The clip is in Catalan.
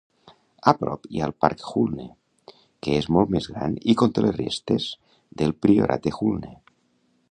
A prop hi ha el park Hulne, que és molt més gran i conté les restes del priorat de Hulne.